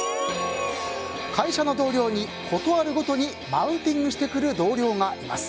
会社の同僚に、事あるごとにマウンティングしてくる同僚がいます。